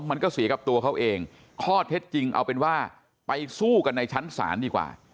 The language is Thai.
มันก็เสียกับตัวเขาเองข้อเท็จจริงเอาเป็นว่าไปสู้กันในชั้นศาลดีกว่า